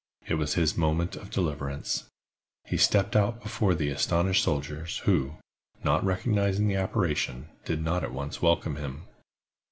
It was his moment of deliverance. He stepped out before the astonished soldiers, who, not recognizing the apparition, did not at once welcome him.